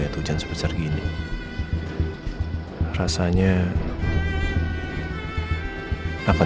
kamu memang punya keinginan